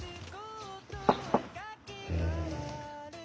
うん。